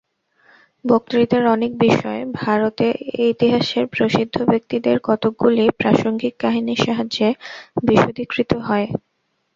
বক্তৃতার অনেক বিষয় ভারতেতিহাসের প্রসিদ্ধ ব্যক্তিদের কতকগুলি প্রাসঙ্গিক কাহিনীর সাহায্যে বিশদীকৃত হয়।